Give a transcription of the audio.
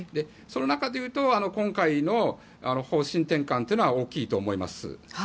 その中でいうと今回の方針転換というのは大きいと思います。